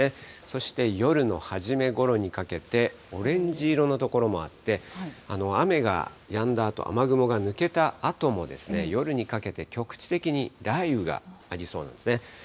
そして夜の初めごろにかけて、オレンジ色の所もあって、雨がやんだあと、雨雲が抜けたあとも、夜にかけて局地的に雷雨がありそうなんですね。